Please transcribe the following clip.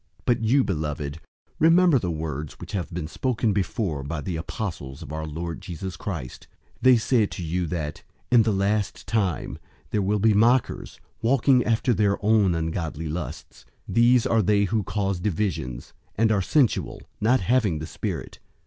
001:017 But you, beloved, remember the words which have been spoken before by the apostles of our Lord Jesus Christ. 001:018 They said to you that "In the last time there will be mockers, walking after their own ungodly lusts." 001:019 These are they who cause divisions, and are sensual, not having the Spirit.